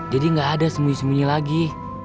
jadi gak ada sembunyi sembunyi lagi